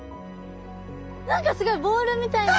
何かすごいボールみたいな。